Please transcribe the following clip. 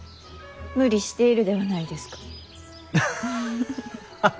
無理しているではないですか。